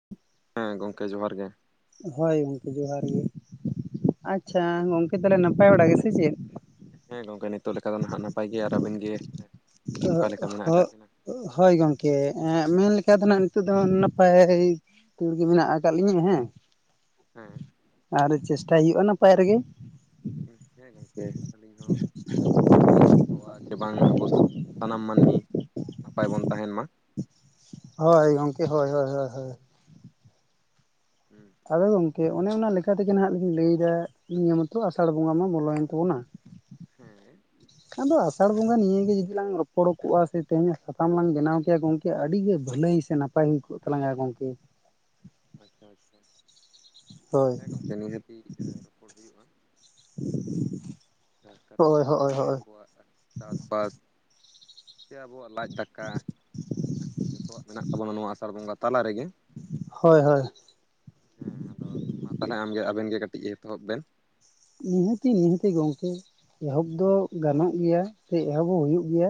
[inaudible] ᱦᱮᱸ ᱜᱚᱢᱠᱮ ᱡᱚᱦᱟᱨ ᱜᱮ ᱦᱳᱭ ᱜᱚᱝᱠᱮ ᱡᱚᱦᱟᱨ ᱜᱮ ᱟᱪᱪᱷᱟ ᱜᱚᱝᱠᱮ ᱛᱟᱞᱮ ᱱᱟᱯᱟᱭ ᱵᱟᱲᱟ ᱜᱮ ᱥᱮ ᱪᱮᱜ? ᱦᱮᱸ ᱜᱚᱝᱠᱮ ᱱᱤᱛᱚᱜ ᱞᱮᱠᱟ ᱫᱚ ᱱᱟᱦᱟᱜ ᱱᱟᱯᱟᱭ ᱜᱮ ᱟᱨ ᱟᱹᱵᱮᱱ ᱜᱮ? ᱟᱹᱜᱩ ᱚᱠᱟ ᱞᱮᱠᱟ ᱢᱮᱱᱟᱜ ᱟᱠᱟᱫ ᱦᱟᱹᱜ ᱵᱤᱱᱟ ᱦᱳᱭ ᱜᱚᱝᱠᱮ ᱮ ᱢᱮᱱ ᱞᱮᱠᱟ ᱫᱚ ᱱᱟᱦᱜ ᱱᱤᱛᱚᱜ ᱫᱚ ᱱᱟᱯᱟᱭ [unintelligible] ᱜᱮ ᱢᱮᱱᱟᱜ ᱟᱠᱟᱫ ᱞᱤᱧᱟᱹ ᱦᱮᱸ ᱦᱮᱸ ᱟᱨ ᱪᱮᱥᱴᱟᱭ ᱦᱩᱭᱩᱜᱼᱟ ᱱᱟᱯᱟᱭ ᱨᱮᱜᱮ ᱦᱮᱸ ᱜᱚᱢᱠᱮ ᱟᱹᱞᱤᱧ ᱦᱚᱸ ᱪᱟᱸᱫᱚ ᱵᱚᱸᱜᱟ ᱴᱷᱮᱱᱤᱧ ᱟᱥᱚᱜᱼᱟ ᱡᱮ ᱵᱟᱝ ᱟᱵᱚ ᱥᱟᱱᱟᱢ ᱢᱟᱹᱱᱢᱤ ᱱᱟᱯᱟᱭ ᱵᱚᱱ ᱛᱟᱦᱮᱱ ᱢᱟ᱾ ᱦᱳᱭ ᱜᱚᱢᱠᱮ ᱦᱳᱭ ᱦᱳᱭ ᱦᱳᱭ ᱦᱩᱸ ᱟᱫᱚ ᱜᱚᱝᱠᱮ ᱚᱱᱮ ᱚᱱᱟ ᱞᱮᱠᱟ ᱛᱮᱜᱮ ᱱᱟᱦᱟᱜ ᱞᱤᱧ ᱞᱟᱹᱭᱮᱫᱟ ᱱᱤᱭᱟᱹ ᱢᱚᱛᱚ ᱟᱥᱟᱲ ᱵᱚᱸᱜᱟ ᱢᱟ ᱵᱚᱞᱚᱭᱮᱱ ᱛᱟᱵᱚᱱᱟ [inaudible] ᱦᱮᱸ ᱟᱫᱚ ᱟᱥᱟᱲ ᱵᱚᱸᱜᱟ ᱱᱤᱭᱟᱹᱜᱮ ᱡᱩᱫᱤ ᱞᱟᱝ ᱨᱚᱯᱚᱲ ᱠᱚᱜᱼᱟ ᱥᱮ ᱛᱮᱦᱮᱧᱟᱜ ᱥᱟᱛᱟᱢ ᱞᱟᱝ ᱵᱮᱱᱟᱣ ᱠᱮᱭᱟ ᱜᱚᱝᱠᱮ ᱟᱹᱰᱤ ᱜᱮ ᱵᱷᱟᱹᱞᱟᱹᱭ ᱥᱮ ᱱᱟᱯᱟᱭ ᱦᱩᱭ ᱠᱚᱜ ᱛᱟᱞᱟᱝᱟ ᱜᱚᱝᱠᱮ ᱟᱪᱪᱷᱟ ᱟᱪᱪᱷᱟ ᱦᱳᱭ ᱦᱮᱸ ᱜᱚᱝᱠᱮ ᱱᱤᱦᱟᱹᱛᱤ ᱨᱚᱯᱚᱲ ᱦᱩᱭᱩᱜᱼᱟ᱾ [unintelligible] ᱡᱟᱦᱮ ᱠᱟᱨᱚᱱ ᱦᱳᱭ ᱥᱟᱢᱱᱮ ᱦᱳᱭ ᱨᱮᱜᱮ ᱦᱳᱭ ᱟᱵᱚᱣᱟᱜ ᱪᱟᱥᱵᱟᱥ ᱥᱮ ᱟᱵᱚᱣᱟᱜ ᱞᱟᱡ ᱫᱟᱠᱟ ᱡᱚᱛᱚᱣᱟᱜ ᱢᱮᱱᱟᱜ ᱛᱟᱵᱚᱱᱟ ᱱᱚᱣᱟ ᱟᱥᱟᱲ ᱵᱚᱸᱜᱟ ᱛᱟᱞᱟ ᱨᱮᱜᱮ᱾ ᱦᱳᱭ ᱦᱳᱭ ᱦᱮᱸ ᱟᱫᱚ ᱢᱟ ᱛᱟᱞᱦᱮ ᱟᱢᱜᱮ ᱟᱵᱮᱱ ᱜᱮ ᱠᱟᱹᱴᱤᱡ ᱮᱛᱚᱦᱚᱵ ᱵᱮᱱ ᱱᱤᱦᱟᱹᱛᱤ ᱱᱤᱦᱟᱹᱛᱤ ᱜᱚᱝᱠᱮ ᱮᱦᱚᱵ ᱫᱚ ᱜᱟᱱᱚᱜ ᱜᱮᱭᱟ ᱥᱮ ᱮᱦᱚᱵᱚᱜ ᱦᱩᱭᱩᱜ ᱜᱮᱭᱟ᱾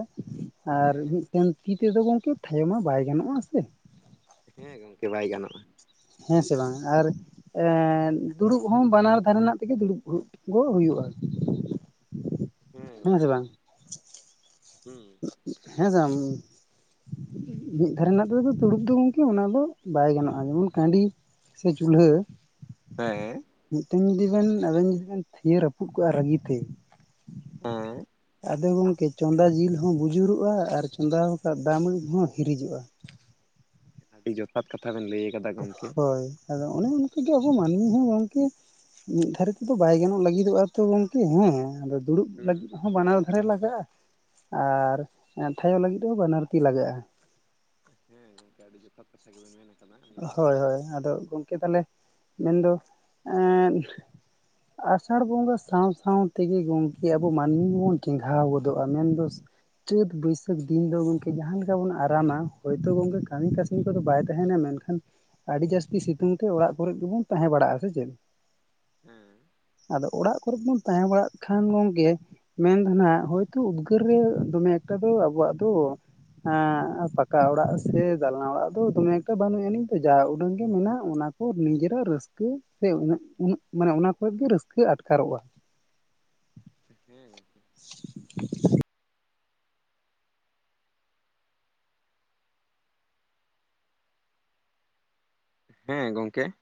ᱟᱨ ᱦᱮᱸ ᱢᱤᱫᱴᱮᱱ ᱛᱤ ᱛᱮᱫᱚ ᱜᱚᱝᱠᱮ ᱴᱷᱟᱭᱚ ᱢᱟ ᱵᱟᱭ ᱜᱟᱱᱚᱜ ᱟ ᱥᱮ ᱦᱮᱸ ᱜᱚᱝᱠᱮ ᱵᱟᱭ ᱜᱟᱱᱚᱜᱼᱟ᱾ ᱦᱮᱸ ᱥᱮ ᱵᱟᱝ ᱟᱨ ᱫᱩᱲᱩᱵ ᱦᱚᱸ ᱵᱟᱱᱟᱨ ᱫᱷᱟᱨᱮᱱᱟᱜ ᱛᱮᱜᱮ ᱫᱩᱲᱩᱵ ᱜᱚ ᱦᱩᱭᱩᱜᱼᱟ ᱦᱮᱸ ᱥᱮ ᱜᱚᱢᱠᱮ ᱵᱟᱝ ᱦᱮᱸ ᱥᱮᱢ ᱢᱤᱜ ᱫᱷᱟᱨᱮ ᱨᱮᱱᱟᱜ ᱛᱮᱫᱚ ᱛᱩᱲᱩᱵ ᱫᱚ ᱜᱚᱝᱠᱮ ᱚᱱᱟᱫᱚ ᱵᱟᱭ ᱜᱟᱱᱚᱜᱼᱟ᱾ ᱡᱮᱢᱚᱱ ᱠᱟᱺᱰᱤ ᱥᱮ ᱪᱩᱞᱦᱟᱹ ᱦᱮᱸ ᱢᱤᱫᱴᱮᱱ ᱡᱩᱫᱤ ᱵᱮᱱ ᱟᱵᱮᱱ ᱡᱩᱫᱤ ᱵᱮᱱ ᱛᱷᱤᱭᱟᱹ ᱨᱟᱹᱯᱩᱫ ᱠᱚᱜᱼᱟ ᱨᱟᱹᱜᱤᱛᱮ ᱦᱮᱸ ᱟᱫᱚ ᱜᱚᱝᱠᱮ ᱪᱚᱸᱫᱟ ᱡᱤᱞ ᱦᱚᱸ ᱵᱩᱡᱩᱨᱩᱜᱼᱟ ᱟᱨ ᱪᱚᱸᱫᱟ ᱟᱠᱟᱫ ᱫᱟᱢ ᱦᱚᱸ ᱦᱤᱨᱤᱡᱚᱜᱼᱟ ᱟᱹᱰᱤ ᱡᱚᱛᱷᱟᱛ ᱠᱟᱛᱷᱟ ᱵᱮᱱ ᱞᱟᱹᱭ ᱠᱟᱫᱟ ᱜᱚᱝᱠᱮ ᱦᱳᱭ ᱟᱫᱚ ᱚᱱᱮ ᱚᱱᱠᱟᱜᱮ ᱟᱵᱚ ᱢᱟᱹᱱᱢᱤ ᱦᱚᱸ ᱜᱚᱝᱠᱮ ᱢᱤᱫ ᱫᱷᱟᱨᱮ ᱛᱮᱫᱚ ᱵᱟᱭ ᱜᱟᱱᱚᱜ ᱞᱟᱹᱜᱤᱫᱚᱜᱼᱟ ᱛᱚ ᱜᱚᱝᱠᱮ ᱦᱮᱸ ᱟᱫᱚ ᱫᱩᱲᱩᱵ ᱞᱟᱹᱜᱤᱫ ᱦᱩᱸ ᱦᱚᱸ ᱵᱟᱱᱟᱣ ᱫᱲᱮ ᱞᱟᱜᱟᱜᱼᱟ ᱟᱨ ᱴᱷᱟᱭᱚ ᱞᱟᱹᱜᱤᱫ ᱦᱚᱸ ᱵᱟᱱᱟᱨᱛᱤ ᱞᱟᱜᱟᱜᱼᱟ᱾ ᱦᱮᱸ ᱜᱚᱝᱠᱮ ᱟᱹᱰᱤ ᱡᱚᱛᱷᱟᱛ ᱦᱟᱡᱩᱜ ᱵᱮᱱ ᱢᱮᱱ ᱟᱠᱟᱫᱟ᱾ ᱦᱳᱭ ᱦᱳᱭ ᱟᱫᱚ ᱜᱚᱝᱠᱮ ᱛᱟᱦᱞᱮ ᱢᱮᱱᱫᱚ ᱮ ᱟᱥᱟᱲ ᱵᱚᱸᱜᱟ ᱥᱟᱶ ᱥᱟᱶ ᱛᱮᱜᱮ ᱜᱚᱢᱠᱮ ᱟᱵᱚ ᱢᱟᱹᱱᱢᱤ ᱵᱚᱱ ᱪᱮᱸᱜᱷᱟᱣ ᱜᱚᱫᱚᱜᱼᱟ ᱢᱮᱱᱫᱚ ᱪᱟᱹᱛ ᱵᱟᱹᱭᱥᱟᱹᱠᱷ ᱫᱤᱱ ᱫᱚ ᱜᱚᱢᱠᱮ ᱡᱟᱦᱟᱸ ᱞᱮᱠᱟ ᱵᱚᱱ ᱟᱨᱟᱢᱟ ᱦᱚᱳᱭᱛᱚ ᱜᱚᱢᱠᱮ ᱠᱟᱹᱢᱤ ᱠᱟᱹᱥᱱᱤ ᱠᱚᱫᱚ ᱵᱟᱭ ᱛᱟᱦᱮᱱᱟ ᱢᱮᱱᱠᱷᱟᱱ ᱠᱷᱟᱱ ᱟᱹᱰᱤ ᱡᱟᱹᱥᱛᱤ ᱥᱤᱛᱩᱝ ᱛᱮ ᱚᱲᱟᱜ ᱠᱚᱨᱮ ᱜᱮᱵᱚᱱ ᱛᱟᱦᱮᱸ ᱵᱟᱲᱟᱜᱼᱟ᱾ ᱥᱮ ᱪᱮᱫ ᱦᱮᱸ ᱟᱫᱚ ᱚᱲᱟᱜ ᱠᱚᱨᱮ ᱵᱩᱱ ᱛᱟᱦᱮᱸ ᱵᱟᱲᱟᱜ ᱠᱷᱟᱱ ᱜᱚᱝᱠᱮ ᱢᱮᱱᱫᱟ ᱱᱟᱜ ᱦᱚᱳᱭᱛᱳ ᱩᱫᱽᱜᱟᱹᱨ ᱨᱮ ᱫᱚᱢᱮ ᱮᱠᱴᱟ ᱫᱚ ᱟᱵᱚᱣᱟᱜ ᱫᱚ ᱦᱸ ᱯᱟᱠᱟ ᱚᱲᱟᱜ ᱥᱮ ᱫᱟᱞᱟᱱᱟ ᱚᱲᱟᱜ ᱫᱚ ᱫᱚᱢᱮ ᱟ ᱵᱟᱹᱱᱩᱜ ᱟᱹᱱᱤᱡᱧ ᱫᱚ ᱡᱟ ᱩᱰᱟᱹᱱᱝ ᱜᱮ ᱢᱮᱱᱟᱜ ᱚᱱᱟ ᱠᱚ ᱱᱤᱡᱮᱨᱟᱜ ᱨᱟᱹᱥᱠᱟᱹ ᱥᱮ ᱩᱹ ᱩᱱᱟᱹ ᱢᱟᱱᱮ ᱚᱱᱟ ᱠᱷ ᱜᱮ ᱨᱟᱹᱥᱠᱟᱹ ᱟᱴᱠᱟᱨᱚᱜᱼᱟ᱾ ᱦᱮᱸ ᱜᱚᱝᱠᱮ [inaudible] ᱦᱮᱸ ᱜᱚᱝᱠᱮ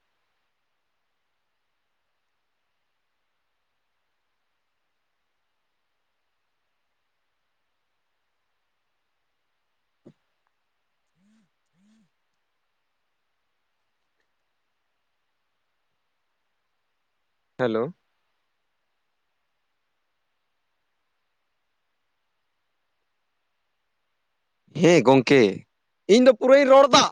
ᱦᱮᱞᱳ ᱦᱮᱸ ᱜᱚᱢᱠᱮ ᱤᱧ ᱫᱚ ᱯᱩᱨᱟᱹᱧ ᱨᱚᱲ ᱮᱫᱟ᱾